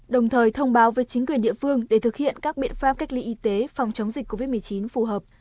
đồng thời thông báo với chính quyền địa phương để thực hiện các biện pháp cách ly y tế phòng chống dịch covid một mươi chín phù hợp